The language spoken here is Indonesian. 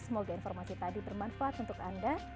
semoga informasi tadi bermanfaat untuk anda